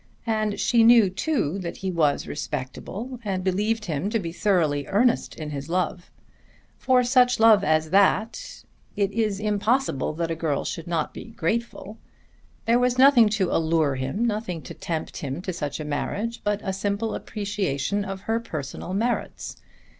And she knew too that he was respectable, and believed him to be thoroughly earnest in his love. For such love as that it is impossible that a girl should not be grateful. There was nothing to allure him, nothing to tempt him to such a marriage, but a simple appreciation of her personal merits.